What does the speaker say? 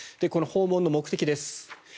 この訪問の目的です。